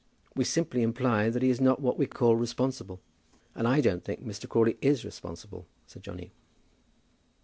We simply imply that he is not what we call responsible." "And I don't think Mr. Crawley is responsible," said Johnny.